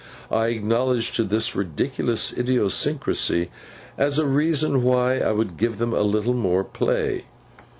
I acknowledge to this ridiculous idiosyncrasy, as a reason why I would give them a little more play.